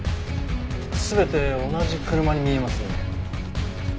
全て同じ車に見えますね。